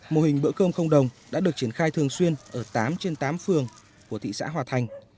mô hình bữa cơm không đồng đã được triển khai thường xuyên ở tám trên tám phường của thị xã hòa thành